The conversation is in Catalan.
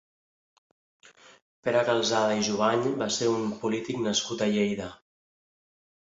Pere Calzada i Jubany va ser un polític nascut a Lleida.